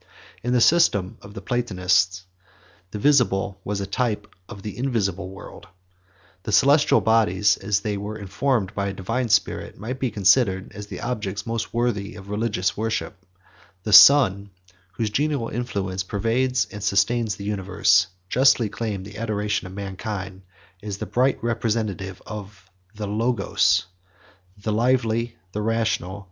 In the system of Platonists, the visible was a type of the invisible world. The celestial bodies, as they were informed by a divine spirit, might be considered as the objects the most worthy of religious worship. The Sun, whose genial influence pervades and sustains the universe, justly claimed the adoration of mankind, as the bright representative of the Logos, the lively, the rational, the beneficent image of the intellectual Father.